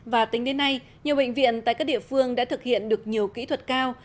và tính đến nay nhiều bệnh viện tại các địa phương đã thực hiện được nhiều kỹ thuật cao